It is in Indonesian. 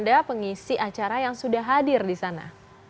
ada pengisi acara yang sudah hadir di sana